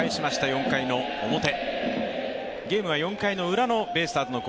４回の表。